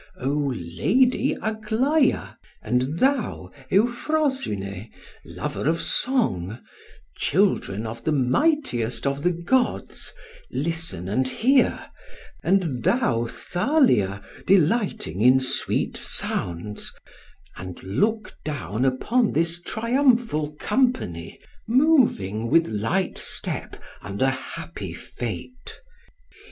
O lady Aglaia, and thou Euphrosyne, lover of song, children of the mightiest of the gods, listen and hear, and thou Thalia delighting in sweet sounds, and look down upon this triumphal company, moving with light step under happy fate.